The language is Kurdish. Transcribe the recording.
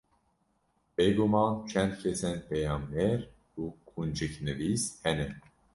Bêguman çend kesên peyamnêr û qunciknivîs hene